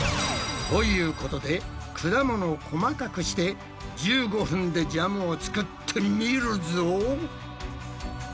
ということで果物を細かくして１５分でジャムを作ってみるぞ。